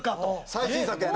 「最新作や！」